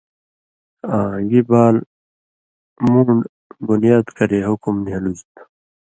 آں گی بال مُون٘ڈ (بُنیاد) کرے حُکُم نھیلُژ تھُو